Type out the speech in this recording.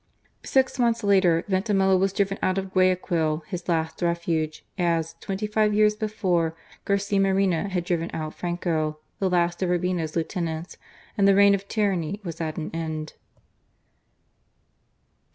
Six months later, Vintimilla was driven out of Guayaquil, his last refuge, as, twenty five years before, Garcia Moreno had driven out Franco, the last of Urbina's lieutenants: and the reign of tyranny was at an end.